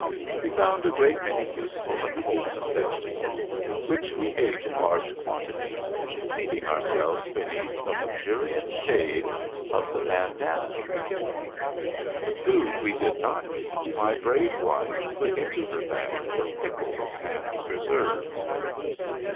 We found a great many useful and wholesome vege tables, which we ate in large quantities, seating our selves beneath the luxuriant shade of the bandanna .tree. The food we did not eat my brave wife put into her bag for pickles and preserves.